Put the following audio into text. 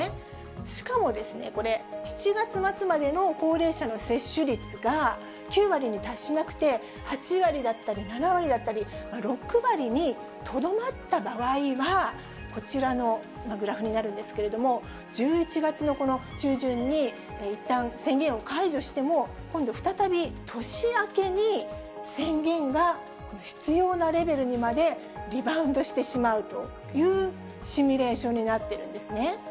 しかもですね、これ、７月末までの高齢者の接種率が９割に達しなくて、８割だったり、７割だったり、６割にとどまった場合は、こちらのグラフになるんですけれども、１１月の中旬にいったん宣言を解除しても、今度再び年明けに宣言が必要なレベルにまでリバウンドしてしまうというシミュレーションになってるんですね。